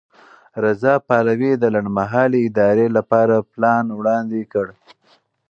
رضا پهلوي د لنډمهالې ادارې لپاره پلان وړاندې کړ.